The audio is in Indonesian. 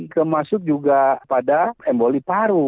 termasuk juga pada emboli paru